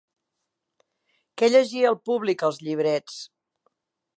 Què llegia el públic als llibrets?